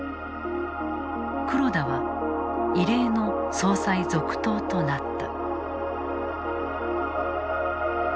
黒田は異例の総裁続投となった。